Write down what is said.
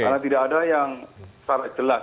karena tidak ada yang secara jelas